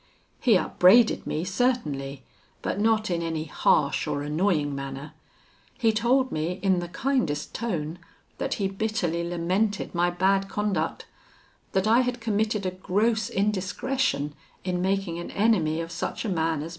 He upbraided me certainly, but not in any harsh or annoying manner. He told me, in the kindest tone, that he bitterly lamented my bad conduct; that I had committed a gross indiscretion in making an enemy of such a man as M.